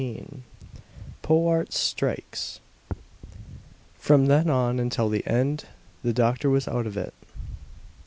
XV POWART STRIKES From then on until the end the doctor was out of it.